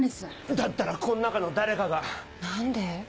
だったらこの中の誰かが。何で？